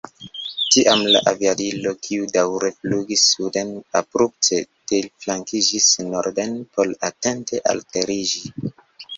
Tiam la aviadilo, kiu daŭre flugis suden, abrupte deflankiĝis norden por atente alteriĝi.